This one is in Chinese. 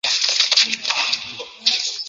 官至都御史。